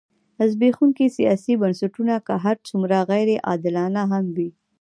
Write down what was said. زبېښونکي سیاسي بنسټونه که هر څومره غیر عادلانه هم وي.